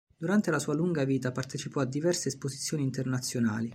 Durante la sua lunga vita partecipò a diverse esposizioni internazionali.